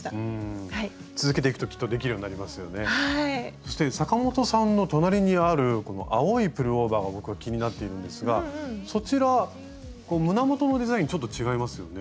そして阪本さんの隣にあるこの青いプルオーバーが僕は気になっているんですがそちら胸元のデザインちょっと違いますよね？